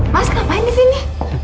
mas ngapain disini